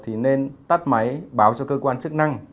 thì nên tắt máy báo cho cơ quan chức năng